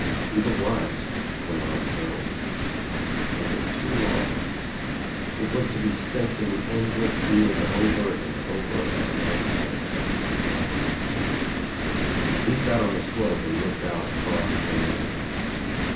People's lives went on so. Life was too long. It was to be spent in the endless doing over and over of an unsatisfactory task. He sat on the slope and looked out across the land.